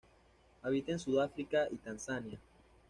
Habita en Sudáfrica y Tanzania.